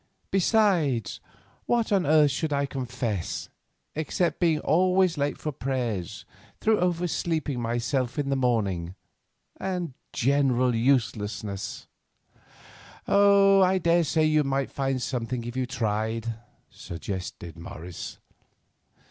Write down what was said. Besides, what on earth should I confess, except being always late for prayers through oversleeping myself in the morning, and general uselessness?" "Oh, I daresay you might find something if you tried," suggested Morris.